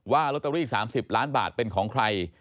ลอตเตอรี่๓๐ล้านบาทเป็นของใคร